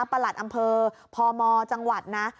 หลัดอำเภอพมจังหวัดนะ